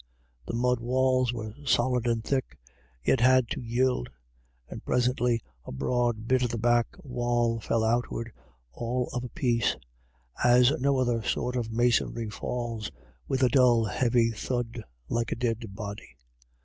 The mud walls were solid and thick, yet had to yield, and presently a broad bit of the back wall fell outward all of a piece, as no other sort of masonry falls, with a dull, heavy thud like a dead body.